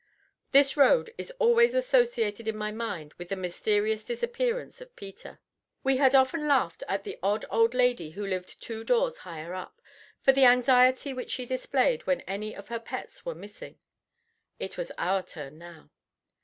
This road is always associated in my mind with the mysterious disappearance of Peter. We had often laughed at the odd old lady who lived two doors higher up, for the anxiety which she displayed when any of her pets were missing. It was our turn now.